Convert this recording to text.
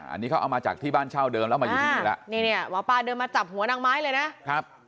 อันนี้เขาเอามาจากที่บ้านเช่าเดิมแล้วมาอยู่ที่นี่แล้วนี่เนี่ยหมอปลาเดินมาจับหัวนางไม้เลยนะครับ